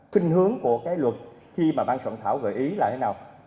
kinh hướng của cái luật khi mà ban soạn thảo gợi ý là thế nào